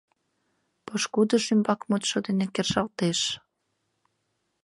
Пошкудыж ӱмбак мутшо дене кержалтеш.